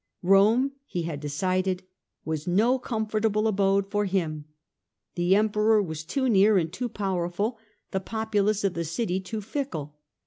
Rome, he had decided, was no comfortable abode for him. The Emperor was too near and too powerful, the populace of the city too fickle.